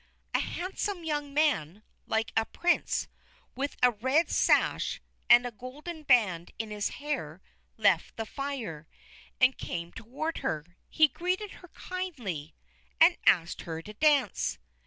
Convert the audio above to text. A handsome young man, like a Prince, with a red sash, and a golden band in his hair, left the fire, and came toward her. He greeted her kindly, and asked her to dance.